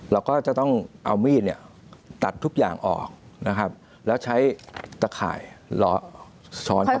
เราก็จะต้องเอามีดเนี่ยตัดทุกอย่างออกนะครับแล้วใช้ตะข่ายล้อซ้อนเข้าไป